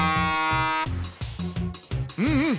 うんうん。